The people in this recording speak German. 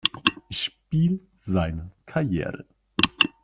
Spiel seiner Karriere.